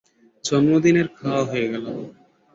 জন্মদিনের খাওয়া হয়ে গেল।